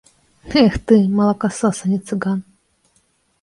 Эх ты, малакасос, а не цыган.